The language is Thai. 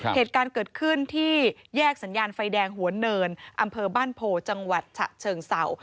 เหตุการณ์เกิดขึ้นที่แยกสัญญาณไฟแดงหัวเนินอำเภอบ้านโพจังหวัดฉะเชิงเศร้า